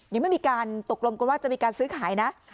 ยังไม่มีการตกลงกันว่าจะมีการซื้อขายนะ